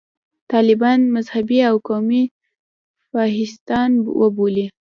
طالبان مذهبي او قومي فاشیستان وبولي.